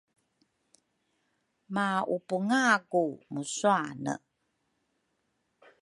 maupungaku musuane.